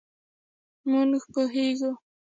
مونږ پوهیږو